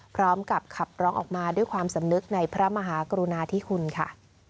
พร้อมกับขับร้องออกมาด้วยความสำนึกในพระมหากรุณาธิคุณค่ะ